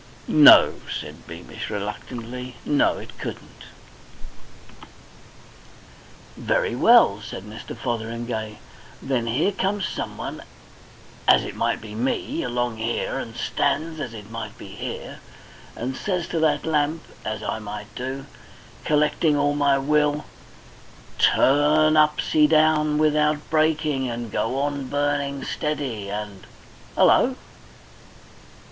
"No," said Beamish reluctantly. "No, it couldn't." "Very well," said Mr. Fotheringay. "Then here comes someone, as it might be me, along here, and stands as it might be here, and says to that lamp, as I might do, collecting all my will Turn upsy down without breaking, and go on burning steady, and Hullo!"